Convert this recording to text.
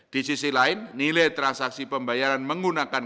di sisi lain nilai transaksi pembayaran menggunakan